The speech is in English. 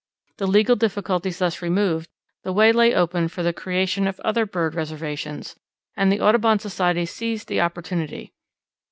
The legal difficulties thus removed, the way lay open for the creation of other bird reservations, and the Audubon Society seized the opportunity.